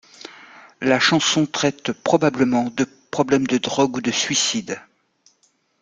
La chanson traite probablement de problèmes de drogues ou de suicides.